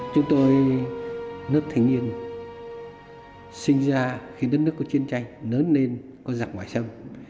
chúng tôi nước thanh niên sinh ra khi nước nước có chiến tranh lớn lên có giặc ngoại sâm